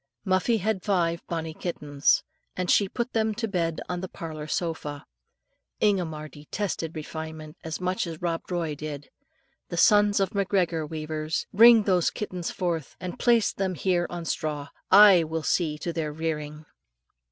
Muffie had five bonnie kittens, and she put them to bed on the parlour sofa. Ingomar detested refinement as much as Rob Roy did. "The sons of McGregor, weavers! Bring those kittens forth, and place them here on straw; I will see to their rearing."